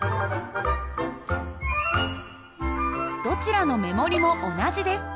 どちらの目盛りも同じです。